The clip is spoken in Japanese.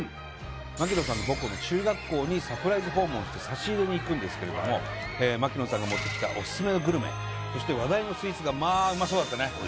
槙野さんの母校の中学校にサプライズ訪問して差し入れに行くんですけれども槙野さんが持ってきたオススメのグルメそして話題のスイーツがまあうまそうだったね！